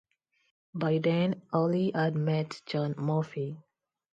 By then Ollie had met John Murphy.